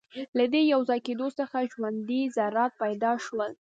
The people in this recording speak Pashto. له دې یوځای کېدو څخه ژوندۍ ذرات پیدا شول.